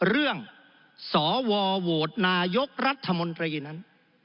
เรื่องสวโหวตนายกรัฐมนตรีนั้น